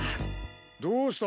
どうした？